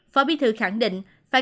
phó bí thư khẳng định